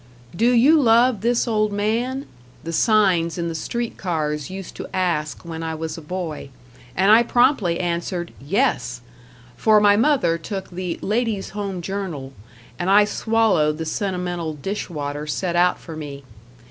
"Do You Love This Old Man?" the signs in the street cars used to ask when I was a boy; and I promptly answered "Yes" for my mother took the "Ladies' Home Journal", and I swallowed the sentimental dish water set out for me.